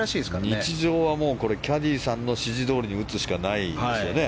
日常はキャディーさんの指示どおりに打つしかないですよね。